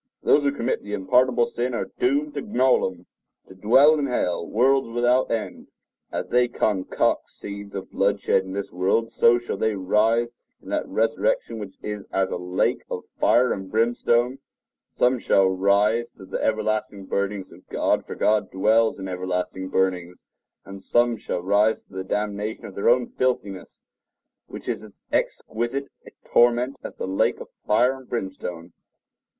Those who commit the unpardonable sin are doomed to Gnolom—to dwell in hell, worlds without end. As they concoct scenes of bloodshed in this world, so they shall rise to that resurrection which is as the lake of fire and brimstone. Some shall rise to the everlasting burnings of God; for God dwells in everlasting burnings, and some shall rise to the damnation of their own filthiness, which is as exquisite a torment as the lake of fire and brimstone.